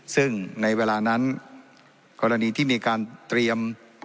ซึ่งในเวลานั้นกรณีที่มีการเตรียม